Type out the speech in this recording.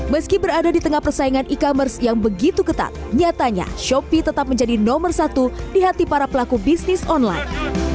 meski berada di tengah persaingan e commerce yang begitu ketat nyatanya shopee tetap menjadi nomor satu di hati para pelaku bisnis online